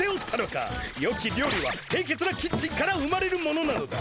よき料理はせいけつなキッチンから生まれるものなのだ。